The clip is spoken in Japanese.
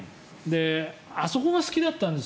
あそこが好きだったんです